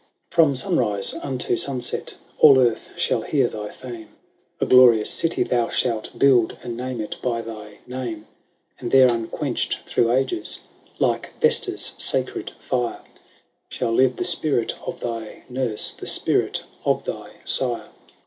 " From sunrise unto sunset All earth shall hear thy fame A glorious city thou shalt build. And name it by thy name :/': n And there, unquenched through ages, Like Vesta's sacred fire, 9 ^^^^tS^'^^^^^Ko Shall live the spirit of thy nurse. The spirit of thy sire.